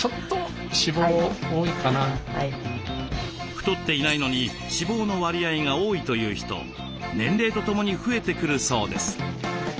太っていないのに脂肪の割合が多いという人年齢とともに増えてくるそうです。